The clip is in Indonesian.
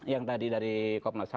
yang tadi dari komnas ham